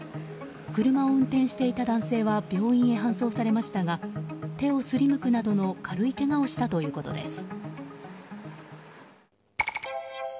車を運転していた男性は病院へ搬送されましたが手をすりむくなどの軽いけがをしたということです。